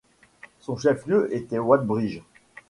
Son chef-lieu était Wadebridge.